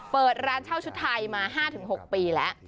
เปิดร้านเช่าชุดไทยมา๕๖ปีแล้ว